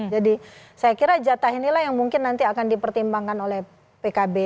jadi saya kira jatah inilah yang mungkin nanti akan dipertimbangkan oleh pkb